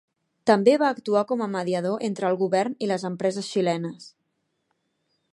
També va actuar com a mediador entre el govern i les empreses xilenes.